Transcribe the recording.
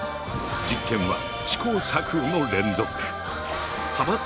実験は試行錯誤の連続。